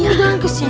pengen jalan kesini